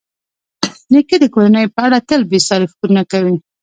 نیکه د کورنۍ په اړه تل بېساري فکرونه کوي.